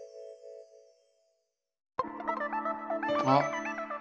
あっ！